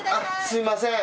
すいません。